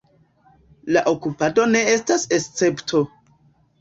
La okupado ne estas escepto.